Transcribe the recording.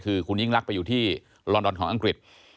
คือคุณยิ่งลักษณ์ไปอยู่ที่ลอนดอนของอังกฤษ